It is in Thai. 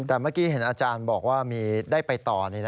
แต่เมื่อกี้เห็นอาจารย์บอกว่ามีได้ไปต่อ